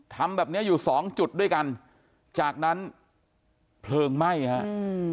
ทำแบบนี้อยู่๒จุดด้วยกันจากนั้นเครื่องไหม้ครับ